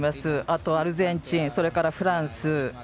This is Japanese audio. あとはアルゼンチンそれからフランス。